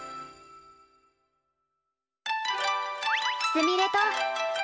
すみれと。